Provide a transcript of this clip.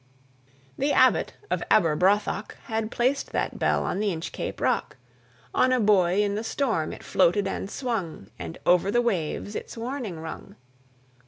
The Abbot of Aberbrothok Had placed that Bell on the Inchcape Rock; On a buoy in the storm it floated and swung, And over the waves its warning rung.